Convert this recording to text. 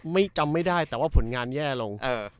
จำไม่ได้แต่ว่าผลงานแย่ลง